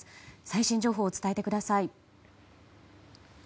最新情報を伝えてください。